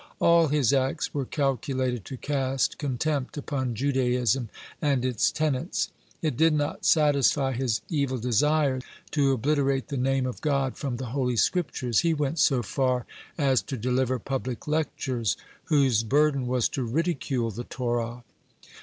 All his acts were calculated to cast contempt upon Judaism and its tenets. It did not satisfy his evil desire to obliterate the name of God from the Holy Scriptures; (98) he went so far as to deliver public lectures whose burden was to ridicule the Torah.